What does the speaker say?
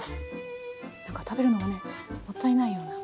なんか食べるのがねもったいないような。